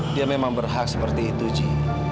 dia memang berhak seperti itu ji